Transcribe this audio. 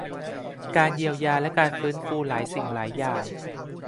การเยียวยาและการฟื้นฟูหลายสิ่งหลายอย่าง